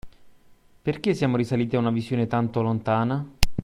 Perché siamo risaliti a una visione tanto lontana?